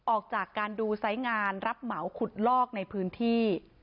ออกจากการดูไซส์งานรับเหมาขุดลอกในพื้นที่